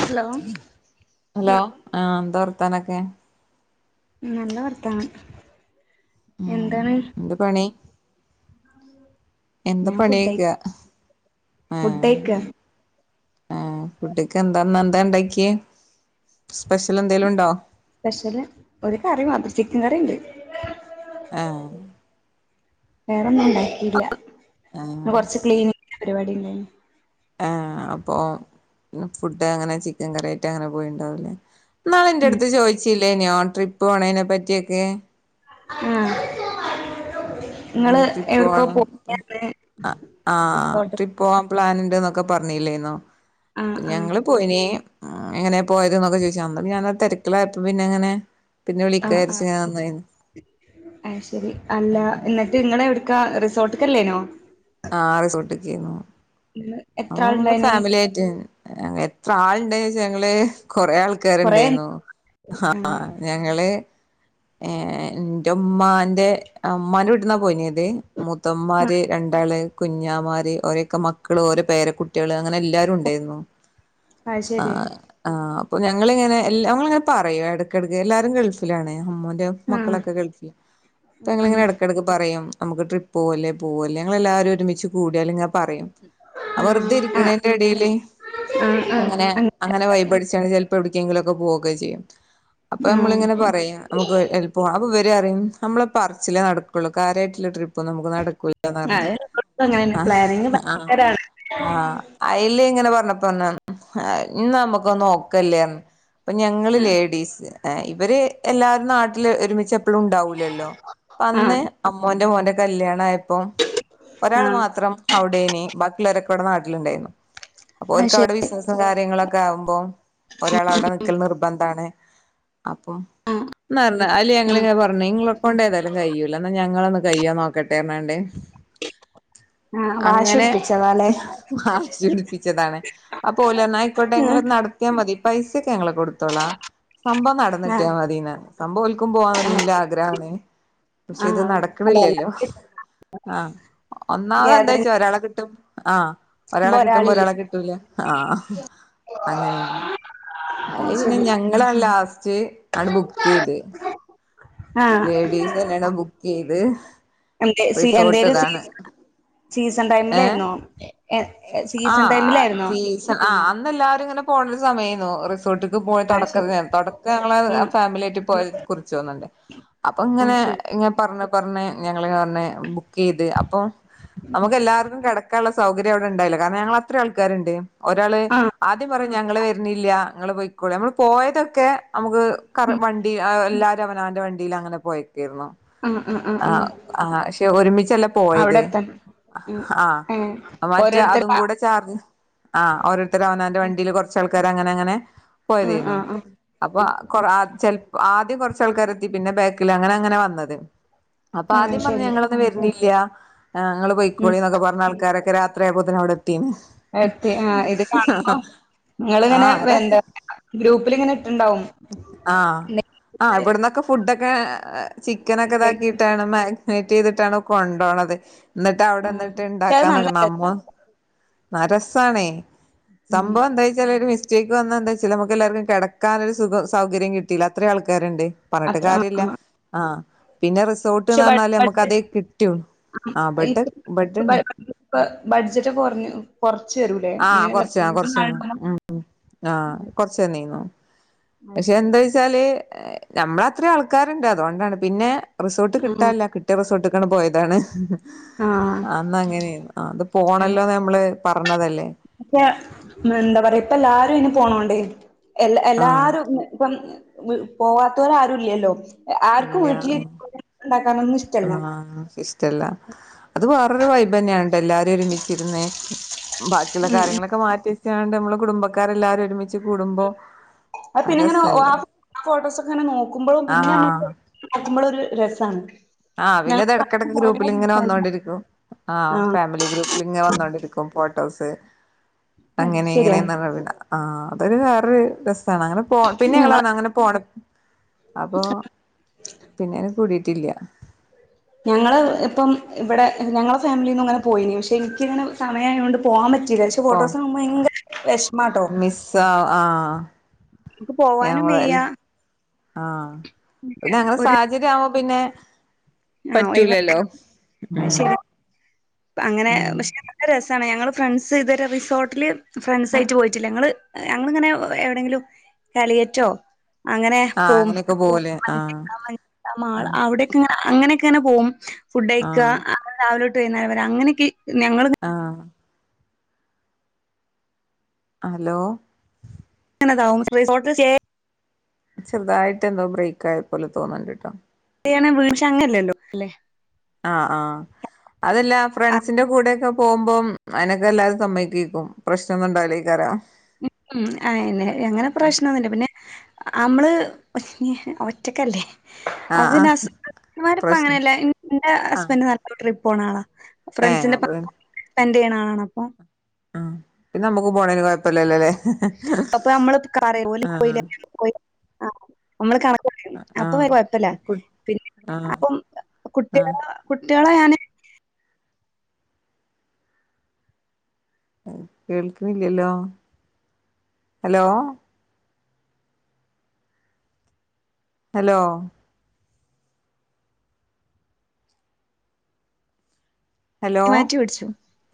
Hello hello ആഹ് എന്താ വർത്താനൊക്കെ? നല്ല വർത്താനം. ഉം എന്താണ് എന്ത് പണി. എന്താ ഞാൻ ഫുഡ് പണിയ്ക്ക ഫുഡ് ആഹ്. കഴിക്ക ആ കുട്ടിക്ക് എന്താ നഎന്താ ഉണ്ടാകി? സ്പെഷ്യൽ എന്തെേലും ഉണ്ടോ? സ്പെഷ്യല് ഒരു കറി മാത്. ചിക്കൻ കറിണ്ട്. ആഹ് വേറൊന്നുംണ്ടാക്കിയില്ല ആ പി കൊറച്ച് ക്ലീനിങ് പരിപാടിണ്ടായിന്. ആ അപ്പൊ ഫുഡ് അങ്ങനെ ചിക്കൻ കറിആയിട്ട് അങ്ങനെ പോയിണ്ടാവുലേ. നാള് ഉം ന്റെടുത്ത് ചോയിച്ചില്ലേ നോ. ട്രിപ്പ് പോണെയിനെ പറ്റിയൊക്കെ. മ്മ്ഹ്. മ്മ്ഹ്. ട്രിപ്പ് ഓണം ആ റിസോർട്ട് ട്രിപ്പ്. പോവാൻ പ്ലാൻണ്ട്ന്നൊക്കെ പറഞ്ഞില്ലേന്നോ? ആഹ് അപ്പ ആഹ് ഞങ്ങള് പോയിന്. എങ്ങനെ പോയത് ന്നൊക്കെചോയിച്ചാ? അന്ന് പിന്നെ തെരക്കിലായർന്നു. പിന്നെ അങ്ങനെ പിന്നെ വിളിക്കാരിച്ചഞന്നേയിന്നു. അഹ. ശരി അല്ല എന്നിട്ട് നിങ്ങളവ്ടക്കാ റിസോർട്ട് ക്കല്ലേനോ? ആ റിസൊട്ട്കേന്നു. [inaudible] അപ്പ മ്മള് ആളുണ്ടായിനി ഫാമിലിയിട്ടെനെ.. എത്ര ആൾണ്ട്ച ഞങ്ങള് കൊറെ ആൾ കൊറേ ക്കര്ണ്ടായിര്ന്നു. ആഹ് ഞങ്ങള് ഏ എന്റെ ഉമ്മാന്റെ അമ്മാന്റെ വീട്ട്ന്നാ പോയിനത്.. മുത്തന്മാര്, ആഹ് രണ്ടാള് കുഞ്ഞാമാര് ഓരൊക്കെ മക്കള് ഓരോ പേരെ കുട്ടിള് അങ്ങനെ എല്ലാരും ഉണ്ടായിരുന്നു. അത് ശരി അഹ് ആഹ് അപ്പൊ ഞങ്ങളിങ്ങനെ ഞങ്ങിങ്ങനെ പറയോ ഇടക്കിടക്ക് എല്ലാരും ഗൾഫിലാണ് അമ്മോന്റെ. ആഹ് മക്കളൊക്കെ ഗൾഫിൽ അപ്പഞങ്ങള് ആഹ് ഇങ്ങനെ എടകെടക്ക് പറയും നമക്ക് ട്രിപ്പ്‌ പോവ് ല്ലേ പോവ് ല്ലേ ഞങ്ങളെല്ലാരും ഒരുമിച്ച് കൂടിയാലും ഇങ്ങനെ പറയും. ആഹ് വെറുതെ ആഹ് ഇരിക്കണന്റെ എടില് ആഹ് ഇങ്ങനെ ആഹ് അങ്ങനെ ആഹ് വൈബടിച്ചണ്ട് ചെലപ്പോ എവിട്ക്കെങ്കിലുംക്കെ പോവുകെ ചെയ്യും. ആഹ് അപ്പൊമ്മളിങ്ങനെ പറയും. നമുക്ക് എൽപ് അപ്പള് ഇവര് അറിയും നമ്മളപ്പ പറച്ചിലേ നടകൊ ള്ളൂ കാര്യട്ടുള്ള ട്രിപ്പ്ന്നും നടകുല യന്നർന്ന് അത് എല്ലോട്ത്തും അങ്ങനെന്നെ ആഹ് പ്ലാനിങ് ആഹ്. ഭയങ്കരാണ് ആഹ് അയില് ഇങ്ങനെ പറഞ്ഞപ്പോന്നെ ന്നാ നമ്മുക്ക് നോക്കല്ലേ ഇപ്പൊ ഞങ്ങള് ലേഡീസ് ഇവര് എല്ലാരും നാട്ടില് ഒരുമിച് എപ്പളും ഉണ്ടാവൂലല്ലോ ആ അന്ന് അമ്മോന്റെ മോന്റെ കല്യാണയപ്പം ഒരാൾ ആ മാത്രം അവിടേന് ബാക്കിള്ളരൊക്കെ ഇവിടെ നാട്ടിലുണ്ടായിരുന്നു അപ്പൊ ആ ഓര്ക്ക് ശരി അവിടെ ബിസിനസ്സും കാര്യങ്ങളോ ക്കെ ആവുമ്പോ ഒരാൾ അവടെ നിക്കൽ നിർബന്ധാണ് അപ്പം.. ആ എന്നർണ് അയില് ആ ഞങ്ങള് പർണി ഇങ്ങളൊക്കണ്ട താലും കയ്യൂല്ല ന്നാ ഞങ്ങളന്ന് കയ്യോ നോക് ക്കട്ടെർണ് ണ്ട്. ആഹ് വാശി പിടിപ്പിച്ചു. ഹ് വാശിടിപ്പിച്ചതാണ്. അപ്പൊ ഓല് പർഞ്ഞു ആയികോട്ടെങ്ങള് നട ത്തിയമതി പൈസൊക്കെ അങ്ങള് കൊടുത്തോളാ സംഭം ആ ആ നടന്നിട്ട്യാ മതിന്നർഞ്ഞി സംഭവം ഓൽക്കും പോവാൻല്ല ആഗ്രഹണ് പഷെ ആ ഇത് അല്ല നടക്കണില്ലല്ലോ എല്ലാർക്കും ആ ഒന്നാമത് എന്താച്ച ഗാതറിംഗ് ഒരാളെ കിട്ടും ആഹ ഒരാളെ ആവുമ്പോ കിട്ടുമ്പോ ഒരാളില്ലേ ഒരാളെ കിട്ടൂല ആഹ അങ്ങനെണ്. അഹ് ശരി. ങ്ങളലാസ്റ്റ് അങ് ബുക്ക്യ്ത്. ആ ലേഡീസ്ന്നെണ് ബുക്ക്യ്ത് എന്തെ സീ റിസോർട്ട് എന്തേലും സീ ഇതാണ്. സീസൺ ഏഹ് ടൈമിലേര്ന്നോ? എ സീസൺ ടൈമിലേര്ന്നോ? ആഹ അന്ന എല്ലാരും ഇങ്ങനെ പോണരു സമയെനു റിസോർട്ട് പോയി ആ തൊടക്ക ശരി തൊടക്ക ങ്ങളെ ആ ഫാമിലി ആയിട്ട് പോയ കുറിച്ച്ന്ന്ണ്ട് അപ്പൊ ആ ഇങ്ങനെ. ശരി ഇങ്ങനെ പറഞ്ഞു പറഞ്ഞു ഞങ്ങിളിർണ് ബുക്ക്യ്ത് അപ്പൊ നമക്ക് എല്ലാർക്കും കെട ക്കള്ള സൗകര്യം അവടെണ്ടായില്ല കാരണം ഞങ്ങള് അത്ര ആൾക്കാരുണ്ട് ഒരാൾ ആ ആദ്യം പറയാ ഞങ്ങള് വെര്ണില്ല്യ ങ്ങള്പോയിക്കോളി. നമ്മൾ പോയതൊക്കെ. അമുക്ക് കർ ഉം വണ്ടി ണ്ടി അഹ് എല്ലാരും അവനാന്റെ വണ്ടിയിലങ്ങനെ പോയകേര്ന്നു. ആ ആ ആ അ ആ ആ ക്ഷെ ഒരുമിച്ചല്ലെ അവിടെ പോയത്. എത്തണം ആ ഏ ആഹ് മറ്റേ ഓരോരുത്തര് അതും. ആ ങ്കൂടെ ചാ [unintelligible] ആഹ് ഓരോര്ത്തര് അവനാന്റെ വണ്ടില് കൊർച്ചൾക്കാര് അങ്ങനങ്ങനെ. പോയതേന്നു. ആ ആ അപ്പൊ കൊർ ആദ്യ ചെൽ ആദ്യം കൊർച്ചാൾക്കാരെത്തി പിന്നെ ബേക്കില അങ്ങനങ്ങനെ വന്നത്. ആ അപ്പാദ്യം പർഞ് ശരി ഞങ്ങള്ന്ന് വര്നില്ല ഏഹ് ങ്ങള് ഉം പൊയ്ക്കോളിന്നൊക്കെ പർഞ്ഞാൾക്കാരൊക്കെ രാത്രിയായപ്പോത്തിന് അവിടെ എത്തി ത്തിൻ. എത്തി ആഹ് ഇത് കാണുമ്പം. ങ്ങള്ങ്ങനെ ആഹ് വെന്താ രസ ഗ്രൂപ്പില്ങ്ങനെ ഇട്ട്ണ്ടാവും ആഹ് നെ. ആഹ് ഇവട്ന്നൊക്കം. ഫുഡൊക്കെ ചിക്കനൊക്കെ താക്കിട്ടാണ് മാഗ് നേറ്റ് ചെയ്തിട്ടാണ് കൊണ്ടോണത്. ന്നട്ട ആ അവ്ടെന്നട്ട് പക്ഷെ അത് ണ്ടാക്കാ നല്ല ന്നക്ക രസ ന്നമ്മോ. ന്ന രസ്സാണേ ഉം സംഭവം എന്തയ്ച്ചാല് ഒരു മിസ് റ്റേക്ക് വന്ന എന്തയ്ച്ചാല് നമ്മക്കെല്ലാർക്കും കെടക്കാനൊരു സുഖ സൗകര്യം കിട്ടല അത്രിം ആൾക്കാര്ണ്ട്. പർഞ്ഞിട്ട് അത്ര ആ കാര്യല്ല ആ ആഹ് പിന്നെ റിസ് പക്ഷെ സോട്ട്ന്നർഞ്ഞാല് നമക്ക് അതേ ബഡ്ജറ്റ് കിട്ട്യൂ ആഹ് ബെഡ് ബെഡ്ണ്ടെ. പ്പ ബഡ്ജറ്റൊക്കെ കൊർഞ്ഞീന്നു. കൊർചെരൂലേ ആഹ് അങ്ങനെല്ല. കൊറച്ച് ആ കൊറച്ചന്നു ആഹ് [unintelligible] കൊറച്ച് അയ് ശരി. ച്ചാല് ഞ്ഞമ്മളത്രി ആൾക്കാര്ണ്ട് അതുകൊണ്ടാണ് പിന്നെ റിസോർട്ട് കിട്ടാല്ല ക് ട്ട്യ റിസ്സോട്ട്ക്കാണ് പോയതാണ്. ആഹ്. ന്നങ്ങനെയ ആഹ് അത് പോണല്ലോന്ന് ഞ്ഞമ്മള് പർഞ്ഞതല്ലേ. റ്റ മെന്ത പറയാ പ്പല്ലാരു അയ്ന് പോണോണ്ടെ. എല്ല ആഹ് എല്ലാരും മു പ്പം വ് പോവാത്തോരാരുല്ല്യല്ലോ. എ ആര്ക്കു ഇല്ല വീട്ടിലി ആഹ് ഇഷ്ടല്ല അത് വേറൊരു വൈബെന്നാണ് ട്ടൊ എല്ലാരു ഒരുമിച്ചിര്ന്ന്. ബാക്കിള്ള ഉം ഉം കാര്യങ്ങളൊക്കെ മാറ്റിവെച്ചാണ്ട് നമ്മള് കുടുംബക്കാരെല്ലാരും ഒരുമി അഹ് പിന്നെങ്ങനെ വ്വാ രസല്ലേ ഫോട്ടോസൊക്കെങ്ങനെ നോക്കുമ്പളും പിന്നെ ഞ്ഞമ്മക്ക്. ആഹ് നോക്കുമ്പളൊരു രസാണ്. ആഹ് ഞങ്ങൾ പിന്നെതെട്ക്കെട്ക്ക് കൊറേ ഗ്രൂപ്പ്ല്ങ്ങനെ സംസാരിച്ചു. വന്നോണ്ടിരിക്കും ആഹ് ഫാമിലി ഗ്രൂ പ്ല്ങ്ങ വന്നോണ്ടിരിക്കും ഫോട്ടോസ് അങ്ങനെ ശരിയാ ഇങ്ങനെന്നർഞ് വിട. ആഹ് അതൊരു വേറൊരു രസാണ് അങ്ങനെ പോ പിന്നെങ്ങള് ഞങ്ങള് പർഞ്ഞ് അങ്ങനെ പോണ അപ്പോ പിന്നയ്ന് കൂടിറ്റില്ല. ഞങ്ങള് ഇപ്പം ഇവിടെ ഞങ്ങളെ ഫാമിലിന്നു ങ്ങനെ പോയീനി പക്ഷെ ഇൻക്ക്യിങ്ങനെ സമയായോണ്ട് പോവാ പറ്റീലച്ച്. ട്ട് പോ ഫോട്ടോസ് കാണുപോ ഭയങ്ക വെശ്മാട്ടോ. മിസ്സ് ആഹ് ആഹ് ക്ക് പോവാനും വെയ്യ. ഞമ്മള് ആഹ് പിന്നങ്ങനെ ഒരു സാ ചര്യാവു പിന്നെ ആഹ് ഒഴിവാക്ക പറ്റൂലല്ലോ ഉം. ശരി അങ്ങനെ ഉം പക്ഷേ. രസാണ് ഞങ്ങള് ഫ്രണ്ട്സ് ഇത് വരെ റിസോർട്ടില് ഫ്രണ്ട്സയ്ട്ട് പോയിറ്റില്ല ങ്ങള് ഞങ്ങള്ങ്ങനെ എവിടെങ്കിലും. കാലിക്കറ്റോ അങ്ങനെ ആഹ് പോം അങ്ങനെയൊക്കെ പോവൂലേ ആഹ് [unintelligible] മാള് അവിടെ. ക്ക്ങ്ങന അങ്ങനെക്കെങ്ങനെ പോവും ഫുഡയിക്ക ആഹ് അങ്ങന രാവിലൊട്ട് വൈന്നാരം വരെ അങ്ങനെക്കെ ഞങ്ങള് ആഹ്. അലോ. ങ്ങനതാവും റിസോട്ട് സ്റ്റേ. ചെർതായിട്ടെന്തോ ബ്രേക്കായ പോലെ തോന്നണ്ട്ട്ടോ. [unintelligible] വീക്ഷങ്ങല്ലല്ലോ ലെ. ആഹ് ആഹ് അതല്ല ഫ്രണ്ട്സിന്റെ കൂടെക്ക. പോകുമ്പം അനക്കെ എല്ലാരും സമ്മക്കിക്കും പ്രശ്നൊന്നും ഉണ്ടാവില്ലേ കരാ ഉം അന്നെ എങ്ങനെ പ്രശ്നംന്നുമില്ല പിന്നെ നമ്മള് [unintelligible] ഒറ്റക്കല്ലേ അപ്പൊ ആഹ് പിന്നെ ആഹ് ഹസ്ബൻ്റ് മാര് ഇപ്പ പ്രശ്നം അങ്ങനെയല്ല എന്റെ ആഹ് ഹസ്ബന്ഡ് നല്ല ട്രിപ്പ് പോണ ആളാ ഏഹ് ഫ്രണ്ട്സിന്റെ അപ്പൊ പം പിന്നെ സ്പെൻഡ് ചെയ്യണാളാണ് അപ്പൊ ഉം പിന്നെ നമ്മുക്ക് പോണേന് കുഴപ്പില്ലല്ലോ അല്ലേ അപ്പൊ നമ്മള് പറയും ഓല് പോയി [inaudible] ആഹ് നമ്മള് കണക്ക് പറയും അപ്പൊ ആഹ് കൊഴപ്പില്ല കു പിന്നെ ആഹ് അപ്പം ആഹ് കുട്ടികള കുട്ടികളെ [inaudible] കേൾക്കുന്നില്ലല്ലോ ഹലോ ഹലോ ഹലോ മാറ്റി പിടിച്ചു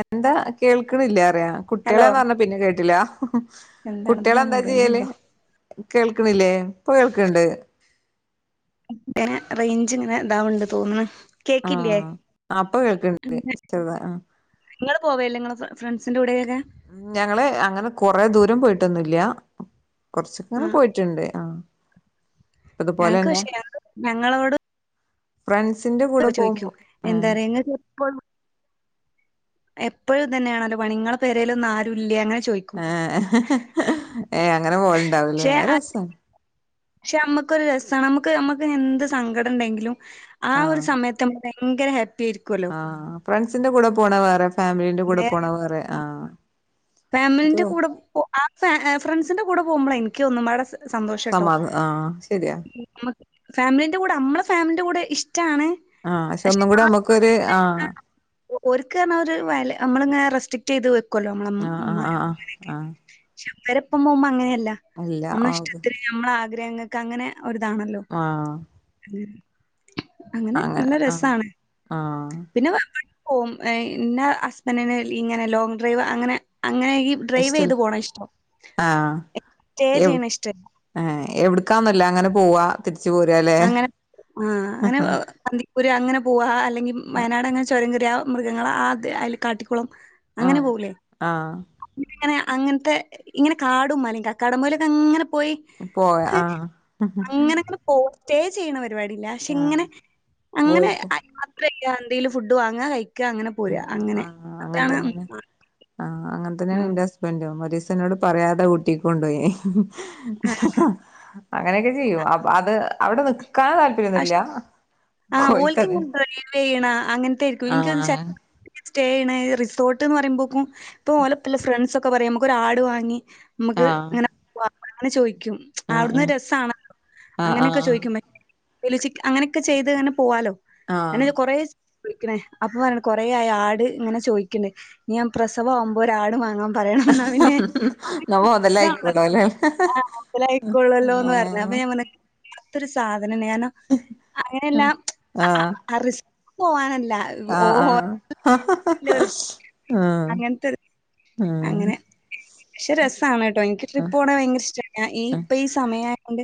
എന്താ കേൾക്കണില്ല അറിയ ഹലോ കുട്ടികളെന്ന് പറഞ്ഞാ പിന്നെ കേട്ടില്ല എന്താണ് ഇതിങ്ങനെ കുട്ടികളെന്താ ചെയ്യല് മുറിയുന്നുണ്ടോ? കേൾക്കണില്ലേ ഇപ്പൊ കേൾക്കണ്ട് എൻ്റെ റേഞ്ച് ഇങ്ങനെ ഇതാവണ്ട് തോന്നന്ന് ആഹ് അപ്പൊ കേൾക്കണ്ട് ചെറുതാ ആഹ് നിങ്ങള്ൾ പോവേല്ലേ നിങ്ങങ്ങള് ഫ്രണ്ട്സിന്റെ കൂടെക്കൊക്കെ ഞങ്ങള് അങ്ങനെ കൊറെ ദൂരം പോയിട്ടൊന്നുംല്ല കൊറച്ചങ്ങനെ ആഹ് പോയിട്ടുണ്ട് ആഹ് ഞങ്ങക്ക് ഇതുപോലെന്നെ പക്ഷേ ഞങ്ങ ഞങ്ങളോട് ഫ്രാൻസിന്റെ കൂടെ ചോദിക്കും പോകുമ്പോ എന്താ ആഹ് പറ നിങ്ങൾക്ക് എപ്പൊഴും എപ്പോഴും ഇതന്നെയാണല്ലോ പണിങ്ങളെ പേരേല് ഒന്നും ആരുല്ലേ അങ്ങനെ ചോദിക്കും ഏഹ് [unintelligible] അങ്ങനെ പോലണ്ടാവലേ പക്ഷെ ആ- രസാണ് പക്ഷെ നമ്മക്കൊരു രസമാണ് നമ്മുക്ക് നമ്മക്ക് എന്ത് സങ്കടം ഉണ്ടെങ്കിലും ആഹ് ഒരു സമയത്ത് നമ്മക്ക് ഭയങ്കര ഹാപ്പി ആയിരിക്കും ആഹ് ഫ്രണ്ട്സിന്റെ കൂടെ പോണ വേറെ ഫാമിലീന്റെ കൂടെ പോണ വേറെ ആഹ് ഫാമിലിന്റെ കൂടെ പോ ആഹ് ഫ്രണ്ട്സിന്റെ കൂടെ പോകുമ്പോൾ എനക്ക്ന്നും അവിടെ സന്തോഷം കേട്ടോ സമാധ ആഹ് ശരിയാ നമ്മക്ക് ഫാമിലിന്റെ കൂടെ നമ്മളെ ഫാമിലി്റെ കൂടെ ഇഷ്ടമാണ് ആഹ് പക്ഷെ ഒന്നും കൂടി നമ്മുക്കൊരു ആഹ് ഓര്ക്കാരണം ഒരു വ നമ്മളി ഇങ്ങനെ റെസ്ട്രിക്ട് ചെയ്ത് വെക്കല്ലോ ആഹ് നമ്മള ആഹ് [unintelligible] ആഹ് പക്ഷേ അവരൊപ്പംപോമ്പ അങ്ങനെയല്ല ആഹ് ഇല്ല നമ്മള ഓക്ക് ഇഷ്ടത്തി നമ്മള ആഗ്രഹങ്ങൾക്ക് അങ്ങനെ ഒരുരിതാണല്ലോ ആഹ് [unintelligible] അങ്ങനെ നല്ല രസാണ് ആഹ് പിന്നെ [unintelligible] പോം ഇൻ്റെ ഹസ്ബൻറിന് ഇങ്ങനെ ലോങ് ഡ്രൈവ് അങ്ങനെ അങ്ങനെ ഈ ഡ്രൈവ് ഇഷ്ടൽ ചെയ്ത് പോകണം ഇഷ്ടം ആഹ് സ്റ്റേ എവ് ചെയ്യണം ഇഷ്ടമല്ല ഏഹ് എവിടുക്കാന്നല്ല അങ്ങനെ പോവാ തിരിച്ച് പോരാലെ അങ്ങനെ ആഹ് അങ്ങനെ കന്ദിക്കൂര് അങ്ങനെ പോവാ അല്ലെങ്കിൽ വയനാട് അങ്ങനെ ചുരം കറിയ മൃഗങ്ങൾ ആത് അതിൽ കാട്ടിക്കുളം അങ്ങനെ ആഹ് പോകൂലേ ആഹ് ഇങ്ങനെ അങ്ങനത്തെ ഇങ്ങനെ കാടും മല കക്കാടമലൊക്കെ അങ്ങനെ പോയി [unintelligible] പോയ ആഹ് [unintelligible] അങ്ങനങ്ങനെ സ്റ്റേ ചെയ്യണ പരിപാടില്ല പക്ഷെ ആഹ് ഇങ്ങനെ അങ്ങനെ പോയിട്ട് എന്തെും ഫുഡ് വാങ്ങുക കഴിക്ക അങ്ങനെ പോരാ അങ്ങനെ ആഹ് അങ്ങനെ അതാണ് തന്നെയാണ് ആഹ് അങ്ങനെ തന്നെയാണ് എൻ്റെ ഹസ്ബൻഡും ഒരൂസം എന്നോട് പറയാതെ ഊട്ടിക്ക കൊണ്ട് പോയി ആഹ്. [unintelligible] അങ്ങനെയൊക്കെ ചെയ്യും അപ്പോ അഹ് അത് അവിടെ നിക്കാന പക്ഷെ [unintelligible] ആഹ് പോയിട്ടത് ഓൽക്കിങ്ങനെ ഡ്രൈവ് ചെയ്യണ അങ്ങനത്തെയായിരിക്കും. എനിക്കൊന്ന് ചെ ആഹ് സ്റ്റേ ചെയ്യണ റിസോർട്ട് എന്ന് പറയുമ്പോക്കും ഇപ്പൊ ഓലപ്പ ഫ്രണ്ട്സ് ഒക്കെ പറയായും നമുക്ക് ഒരു ആട് വാങ്ങി നമുക്ക് ആഹ് ഇങ്ങനെങ്ങനെ ചോദിക്കും ആഹ് അവിടുന്ന് ആഹ് രസമാണല്ലോ ആഹ് അങ്ങനെയൊക്കെ ആഹ് ചോയിക്കും [unintelligible] അങ്ങനെയൊക്കെ ചെയ്ത് അങ്ങനെ പോവാലോ ആഹ് അങ്ങനെ കൊറേ വിളിക്കണേ അപ്പൊ പറ കൊറേ ആയി ആട് ഇങ്ങനെ ചോദിക്കണ് ഇഞ്ഞു ഞാൻ പ്രസവ ആവുമ്പോ ഒരാട് വാങ്ങാം പറയണം എന്നാ പിന്നെ ആഹ് [unintelligible] ന്നാ മൊതലായിക്കോളും അല്ലേ അപ്പൊ ഞാൻ ആഹ് പറഞ്ഞു വല്ലാത്തൊരു സാധനം ഞാന അങ്ങനെല്ലാ ആഹ് റി ഇക്ക് പോവാനല്ല ആഹ് ആഹ് ഹഹഹ അങ്ങനത്തൊരു അങ്ങനെ പക്ഷെ രസമാണ് കേട്ടോ എനിക്ക് ട്രിപ്പ് പോണ ഭയങ്കര ഇഷ്ട ഈ ഇപ്പൊ ഈ സമയ ആയത് കൊണ്ട്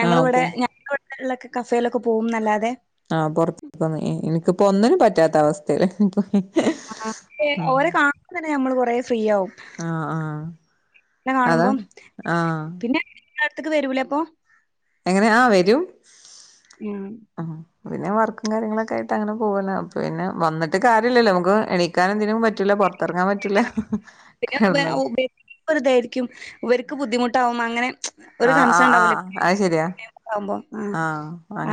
ഞങ്ങൾ ആഹ് ഇവിടെ പോവും ഞങ്ങള ഇവിടെ ഉള്ള കഫേയിലൊക്കെ പോകുംന്നല്ലാതെ ആഹ് പുറത്ത എനിക്കപ്പോ ഒന്നിനും പറ്റാത്ത അവസ്ഥെലാ ആഹ് ഓരെ കാണുമ്പ തന്നെ നമ്മൾ കൊറെ ഫ്രീയാവും ആഹ് ആഹ് ഇന്നെ കാണുമ്പോം അതാണ് ആഹ് പിന്നെ ങ്ങളെ ട്ത്തേക്ക് വരൂലേ അപ്പൊ എങ്ങനെ ആഹ് വരും ഉം ആഹ് പിന്നെ വർക്കും കാര്യങ്ങളൊക്കെയിട്ട് അങ്ങനെ പോകന്നെ വന്നിട്ട് കാര്യല്ലല്ലോ നമുക്ക് എണിക്കാനും ഇതിനും പറ്റില്ല പൊർ പുറത്തിറങ്ങാൻ പറ്റൂല കിടന്നോളും [unintelligible] ഇവർക്ക് ബുദ്ധിമുട്ടാവും അങ്ങനെ ഒരു ആഹ് കൺസേൺ ആഹ് ഉണ്ടാവൂലോ ആഹ് അത് ശരിയാ ആവുമ്പോ ആഹ്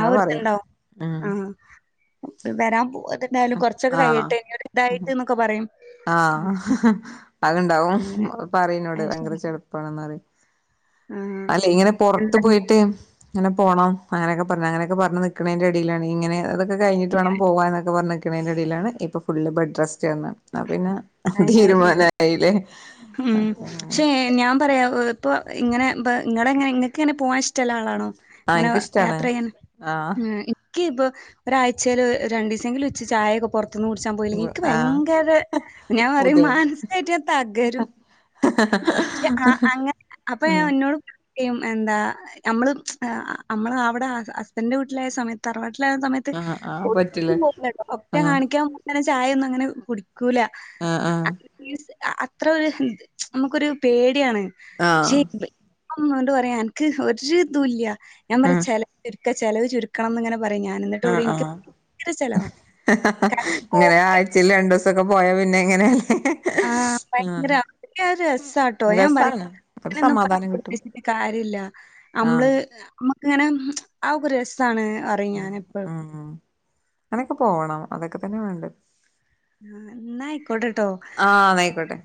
ആഹ് പറയും ഒരുത്ണ്ടാവും ഉം ആഹ് വരാൻ ത്ണ്ടായാലും കൊറച്ചൊക്കെ ആഹ് കയിയട്ടെ ഇതായിട്ട് ന്നൊക്കെ പറയും ആഹ് അത്ണ്ടാവും അങ്ങനെ പറിന്നോട് അത് ഭയങ്കര ശരി. ചെടപ്പണെന്ന് പറയും ആ അല്ല ഇങ്ങനെ പുറത്ത് എന്താ പോയിട്ട് ഇങ്ങനെ പോണം അങ്ങനൊക്കെ പറഞ്ഞു അങ്ങനെക്കെ പറഞ്ഞ് നിക്കണതിന്റെ ഇടയിലാണ് ഇങ്ങെ ഇത് തക്കെ കഴിഞ്ഞിട്ട് വേണം പോവാൻന്നൊക്കെ പറഞ്ഞിക്ക്ണതിന്റെ ഇടയിലാണ് ഇപ്പ ഫുള് ബെഡ്റസ്റ്റ് ന്ന് പറഞ്ഞെ അപ്പ പിന്നെ അത് ശരി. തീരുമാനായില്ലേ ഉം. പക്ഷേ ഞാൻ പറയാ ഇപ്പോൾ ഇങ്ങനെ ഇ ഇങ്ങടെ എങ്ങനെ നിങ്ങൾക്ക് എങ്ങനെ പോകാൻ ഇഷ്ടള്ള ആളാണോ ആഹ് ഇങ്ങനെ എനിക്കിഷ്ടാണ് യാത്രയ്യാൻ ആഹ് [unintelligible] ക്കി പ് ഒരാഴ്ചയിൽ രണ്ട് ദിവസമെങ്കിലും ഇച്ച് ചായൊക്കെ പുറത്ത്ന്ന് കുടിച്ചാൻ പോയില്ലെങ്കിൽ ക്ക് ആഹ് ഭയങ്കര ഞാൻ പറിം ബുദ്ധിമുട്ട് മാനസികയിട്ട് ഞാ തകരും പക്ഷെ അ ആഹ് അങ്ങനെ അപ്പൊ ആഹ് എന്നോട് എന്താ നമ്മള് നമ്മള് അവിടെ ഹസ്ബൻന്റെ വീട്ടിലായ സമയത്ത് തറവാട്ടിലായ സമയ ആഹ് ആഹ് പറ്റില്ല [unintelligible] ആഹ് കാണിക്കാൻ തന്നെ ചായ ഒന്നും അങ്ങനെ കുടിക്കൂല ആഹ് ആഹ് അ- അത്ര ഒരു നമുക്കൊരു പേടിയാണ് ശെ ആഹ് കൊണ്ട് പറയാ അൻക്ക് ഒരു ഇതുല്ല ഞാൻ പറയാ ആഹ് ചെലവ് ചുരുക്ക ചെലവ് ചുരുക്കണംന്ന് ഇങ്ങനെ പറ ഞാൻ ന്നിട്ട് കൂടെ ആഹ് എനിക്ക് ആഹ് ചലവാ കാരണം [unintelligible] ആഴ്ചെല് രണ്ട്സംക്കെ പോയാ പിന്നെ എങ്ങനെ ആഹ് ഭയങ്കര അത് ഒരു രസ ട്ടോ ഞാൻ പറിം രസാണ് ഒരു സമാധാനം കിട്ടും [unintelligible] കാര്യല്ല നമ്മള് ആഹ് നമ്മക്ക് ഇങ്ങനെ അതൊക്കെ ഒര് രസണ് പറിം ഞാൻ എപ്പഴും അങ്ങനെക്കെ പോണം അതൊക്കെ തന്നെ വേണ്ടത് ന്ന ആയിക്കോട്ടെ ട്ടൊ ആഹ് ന്നായിക്കോട്ടെ